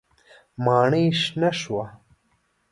ماڼۍ شنه شوه.